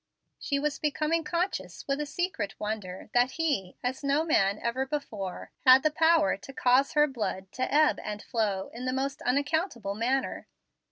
She was becoming conscious, with a secret wonder, that he, as no man ever before, had the power to cause her blood to ebb and flow in the most unaccountable manner.